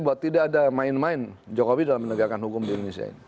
bahwa tidak ada main main jokowi dalam menegakkan hukum di indonesia ini